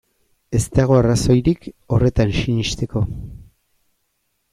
Ez dago arrazoirik horretan sinesteko.